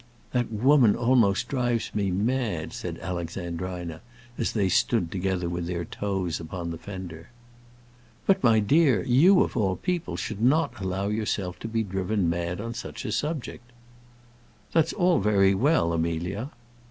"That woman almost drives me mad," said Alexandrina, as they stood together with their toes upon the fender. "But, my dear, you of all people should not allow yourself to be driven mad on such a subject." "That's all very well, Amelia."